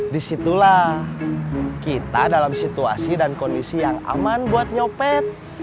disitulah kita dalam situasi dan kondisi yang aman buat nyopet